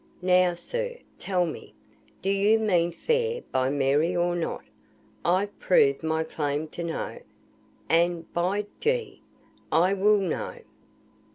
Now, sir, tell me! do you mean fair by Mary or not? I've proved my claim to know, and, by G , I will know."